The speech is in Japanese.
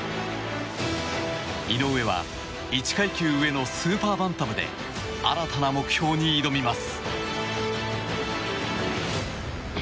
井上は１階級上のスーパーバンタムで新たな目標に挑みます。